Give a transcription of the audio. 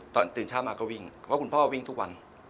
ตื่นเช้ามาก็วิ่งเพราะคุณพ่อวิ่งทุกวัน